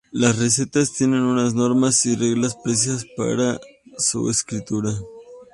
Las recetas tienen unas normas y reglas precisas para su escritura.